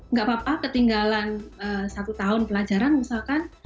nggak apa apa ketinggalan satu tahun pelajaran misalkan